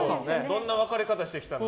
どんな別れ方してきたの？